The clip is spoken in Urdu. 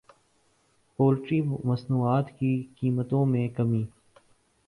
پولٹری مصنوعات کی قیمتوں میں کمی